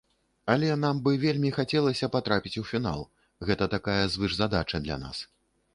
Але нам бы вельмі хацелася патрапіць у фінал, гэта такая звышзадача для нас.